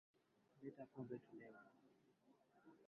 Leta Pombe tulewe